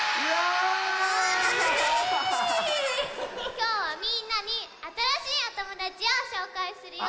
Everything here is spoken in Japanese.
きょうはみんなにあたらしいおともだちをしょうかいするよ。